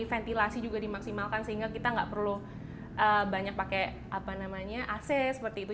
ventilasi juga dimaksimalkan sehingga kita nggak perlu banyak pakai ac seperti itu